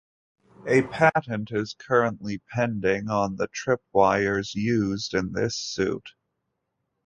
A patent is currently pending on the tripwires used in this suit.